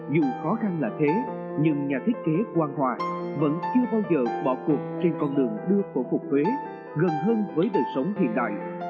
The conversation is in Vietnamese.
dù khó khăn là thế nhưng nhà thiết kế quang hòa vẫn chưa bao giờ bỏ cuộc trên con đường đưa cổ phục huế gần hơn với đời sống hiện đại